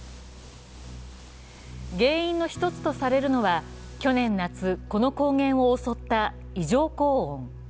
原因の一つとされるのは去年夏、この高原を襲った異常高温。